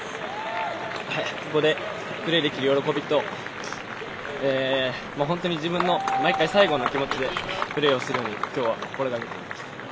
ここでプレーできる喜びと本当に自分の毎回、最後の気持ちでプレーをするように今日は心がけていました。